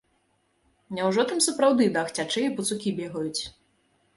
Няўжо там сапраўды дах цячэ і пацукі бегаюць?